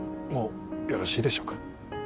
もうよろしいでしょうか？